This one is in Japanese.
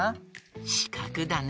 しかくだね。